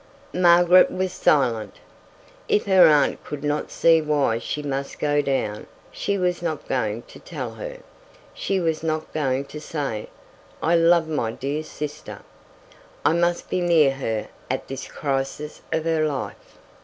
Margaret was silent. If her aunt could not see why she must go down, she was not going to tell her. She was not going to say "I love my dear sister; I must be near her at this crisis of her life."